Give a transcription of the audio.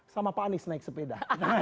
sama panis naik sepeda